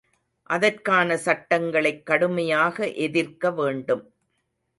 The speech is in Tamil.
அதற்கான சட்டங்களைக் கடுமையாக எதிர்க்க வேண்டும்.